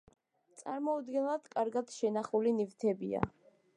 წარმოუდგენლად კარგად შენახული ნივთებია.